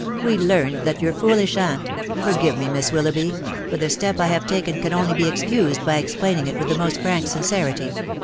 " We learned that your foolish aunt .... forgive me, Miss Willoughby ; but the step I have taken can only be excused by explaining it with the most frank sincerity